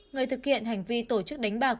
người thực hiện hành vi tổ chức đánh bạc